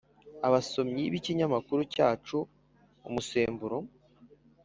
abasomyi b’ikinyamakuru cyacu umusemburo